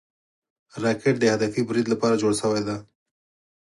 راکټ د هدفي برید لپاره جوړ شوی دی